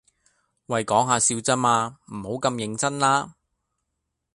喂講吓笑咋嘛，唔好咁認真啦